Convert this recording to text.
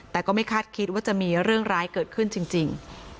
แต่ก็ไม่คาดคิดว่าจะมีเรื่องร้ายเกิดขึ้นจริง